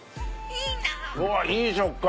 うわっいい食感！